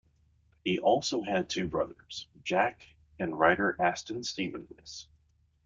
He also had two brothers, Jack and writer Aston Stevens.